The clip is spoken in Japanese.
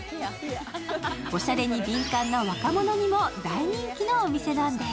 おしゃれに敏感な若者にも大人気のお店なんです。